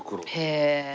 へえ！